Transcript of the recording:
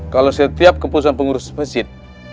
kalau setiap keputusan pengurus masjid